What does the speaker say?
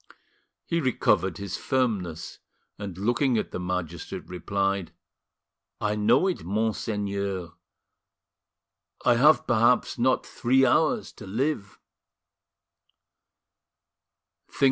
He recovered his firmness, and, looking at the magistrate, replied: "I know it, monseigneur; I have perhaps not three hours to live."